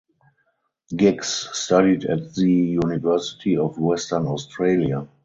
Giggs studied at the University of Western Australia.